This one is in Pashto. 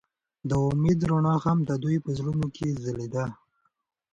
د امید رڼا هم د دوی په زړونو کې ځلېده.